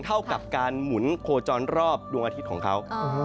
เท่ากับการหมุนโคจรรอบดวงอาทิตย์ของเขา